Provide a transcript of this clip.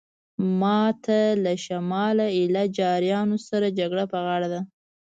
ماته له شمال له ایله جاریانو سره جګړه په غاړه ده.